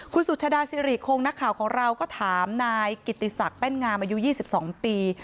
คุณสุชาดาสิริคงนักข่าวของเราก็ถามนายกิติศักดิ์แป้นงามอายุ๒๒ปี